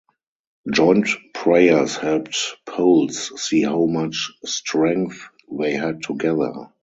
Joint prayers helped Poles see how much strength they had together.